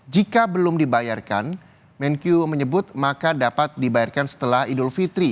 jika belum dibayarkan menkyu menyebut maka dapat dibayarkan setelah idul fitri